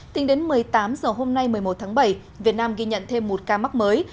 tính đến một mươi tám h hôm nay một mươi một tháng bảy việt nam ghi nhận thêm một ca mắc mới